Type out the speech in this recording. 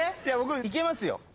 いや僕いけますよ。